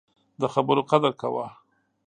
د خبرو قدر کوه